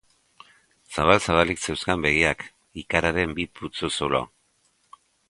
Zabal-zabalik zeuzkan begiak, ikararen bi putzu-zulo.